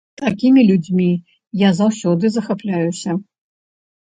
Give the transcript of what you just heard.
Такімі людзьмі я заўсёды захапляюся.